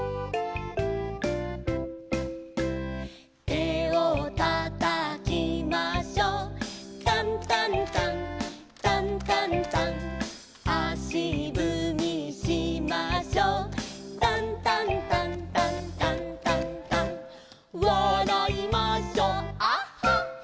「手を叩きましょう」「タンタンタンタンタンタン」「足ぶみしましょう」「タンタンタンタンタンタンタン」「わらいましょうアッハッハ」